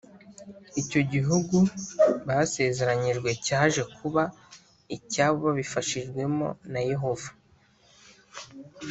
icyo gihugu basezeranyijwe cyaje kuba icyabo babifashijwemo na yehova